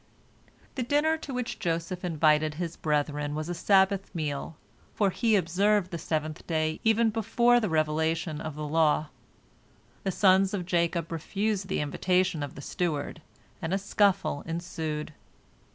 The dinner to which Joseph invited his brethren was a Sabbath meal, for he observed the seventh day even before the revelation of the law. The sons of Jacob refused the invitation of the steward, and a scuffle ensued.